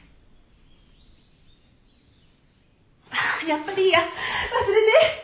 やっぱりいいや忘れて。